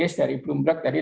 terkait dengan rencana asis